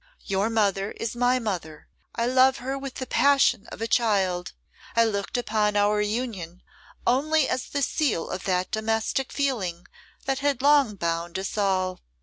Your mother is my mother; I love her with the passion of a child. I looked upon our union only as the seal of that domestic feeling that had long bound us all.